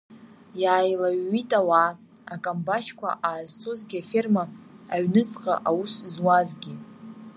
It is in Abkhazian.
Иааилаҩҩит ауаа, акамбашьқәа аазцозгьы аферма аҩнуҵҟа аус зуазгьы.